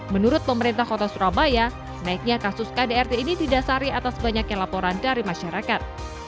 menurut pemerintah kota surabaya naiknya kasus kdrt ini didasari atas banyaknya laporan dari masyarakat